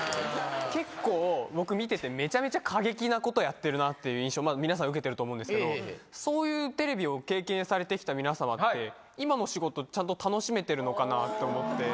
結構、僕見てて、めちゃめちゃ過激なことやってるなっていう印象、皆さん受けてると思うんですけど、そういうテレビを経験されてきた皆様って、今の仕事、ちゃんと楽しめてるのかなと思って。